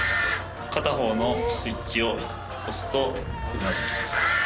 片方のスイッチを押すとうなずきます。